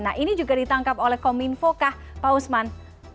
nah ini juga ditangkap oleh kominfo kah pak usman